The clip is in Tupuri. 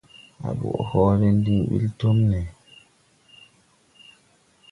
À ɓɔʼ hɔɔlɛ diŋ ɓil tomɓole.